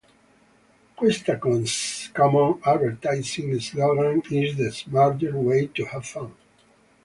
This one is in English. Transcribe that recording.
Questacon's common advertising slogan is The smarter way to have fun.